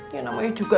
ya namanya juga